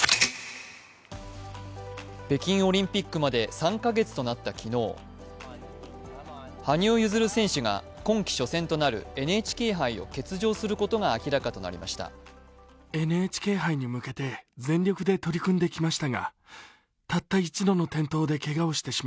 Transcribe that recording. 北京オリンピックまで３カ月となった昨日、羽生結弦選手が今季初戦となるＮＨＫ杯を欠場することが明らかとなりました。